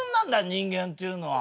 人間っていうのは。